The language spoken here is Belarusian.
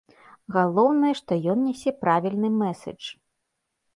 Галоўнае, што ён нясе правільны мэсэдж.